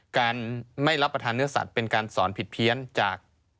การไม่รับประทานเนื้อสัตว์เป็นการสอนผิดเพี้ยนจาก